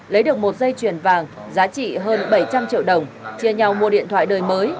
lấy được một dây chuyền vàng giá trị hơn bảy trăm linh triệu đồng chia nhau mua điện thoại đời mới